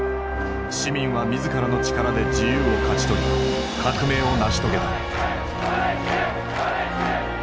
市民は自らの力で自由を勝ち取り革命を成し遂げた。